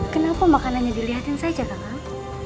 kenapa makanannya dilihat saja kakak